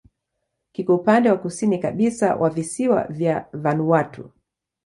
Kiko upande wa kusini kabisa wa visiwa vya Vanuatu.